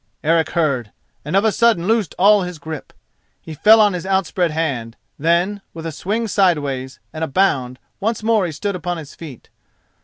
Eric heard, and of a sudden loosed all his grip. He fell on his outspread hand, then, with a swing sideways and a bound, once more he stood upon his feet.